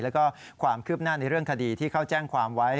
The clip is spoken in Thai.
แล้วก็ความคืบหน้าในเรื่องคดีที่เขาแจ้งความไว้